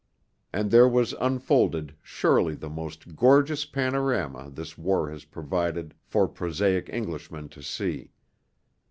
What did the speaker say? And there was unfolded surely the most gorgeous panorama this war has provided for prosaic Englishmen to see.